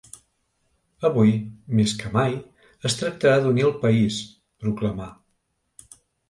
Avui, més que mai, es tracta d’unir el país, proclamà.